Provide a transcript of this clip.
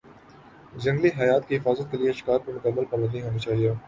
جنگلی حیات کی حفاظت کے لیے شکار پر مکمل پابندی ہونی چاہیے